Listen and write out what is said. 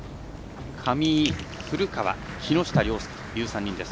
上井、古川、木下稜介という３人です。